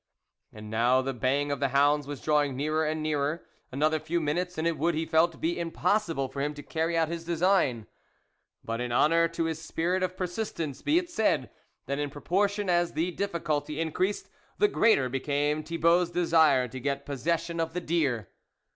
And now the baying of the hounds was drawing nearer and nearer ; another few minutes, and it would, he felt, be im possible for him to carry out his design. But in honour to his spirit of persistence, be it said, that in proportion as the diffi culty increased, the greater became Thi bault's desire to get possession of the deer.